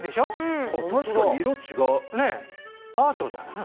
アートだよね。